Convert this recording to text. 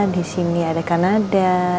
disini ada kanada